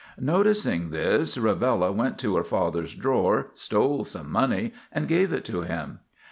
Noticing this, Rivella went to her father's drawer, stole some money, and gave it to him.